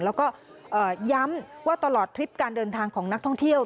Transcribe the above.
แล้วก็ย้ำว่าตลอดทริปการเดินทางของนักท่องเที่ยว